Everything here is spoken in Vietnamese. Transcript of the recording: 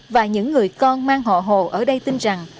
và những người con mang họ hồ ở đây tin rằng